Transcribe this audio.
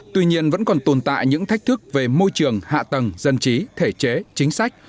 tuy nhiên vẫn còn tồn tại những thách thức về môi trường hạ tầng dân trí thể chế chính sách